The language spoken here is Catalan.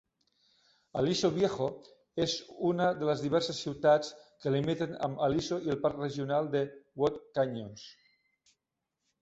Aliso Viejo és una de les diverses ciutats que limiten amb Aliso i el parc regional de Wood Canyons.